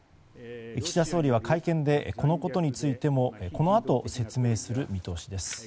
岸田総理は会見でこのことについてもこのあと説明する見通しです。